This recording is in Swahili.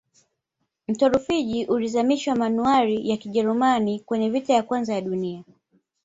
mto rufiji ulizamishwa manuari ya kijerumani kwenye vita vya kwanza vya duniani